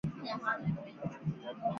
弗勒宁根。